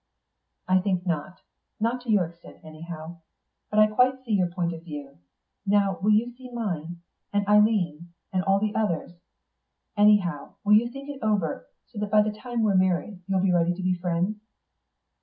"I think not. Not to your extent, anyhow. But I quite see your point of view. Now will you see mine? And Eileen's? And all the others? Anyhow, will you think it over, so that by the time we're married you'll be ready to be friends?"